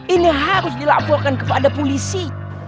ini harus dilaporkan kepada polisi